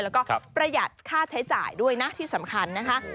แล้วก็ประหยัดค่าใช้จ่ายด้วยนะที่สำคัญนะคะ